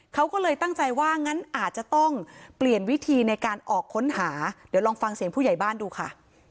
เขาก็เลยตั้งใจว่างั้นอาจจะต้องเปลี่ยนวิธีในการออกค้นหาเดี๋ยวลองฟังเสียงผู้ใหญ่บ้านดูค่ะ